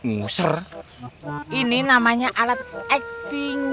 nguser ini namanya alat acting